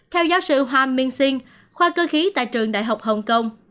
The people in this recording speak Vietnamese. theo giáo sư hoa minh sinh khoa cơ khí tại trường đại học hồng kông